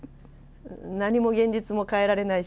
何も現実も変えられないしね。